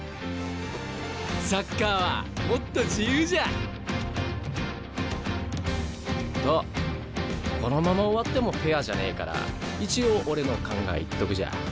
サッカーはもっと自由じゃ！とこのまま終わってもフェアじゃねえから一応俺の考え言っとくじゃ。